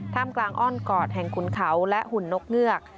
กลางอ้อนกอดแห่งขุนเขาและหุ่นนกเงือก